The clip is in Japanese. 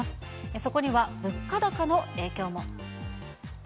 そこには物価高の影響も。